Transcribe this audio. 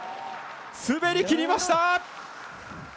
滑りきりました！